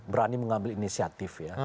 berani mengambil inisiatif ya